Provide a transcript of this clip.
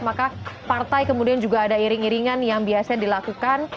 maka partai kemudian juga ada iring iringan yang biasa dilakukan